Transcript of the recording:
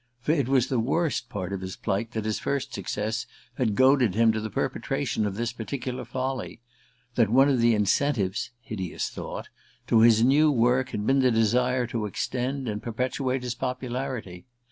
For it was the worst part of his plight that his first success had goaded him to the perpetration of this particular folly that one of the incentives (hideous thought!) to his new work had been the desire to extend and perpetuate his popularity.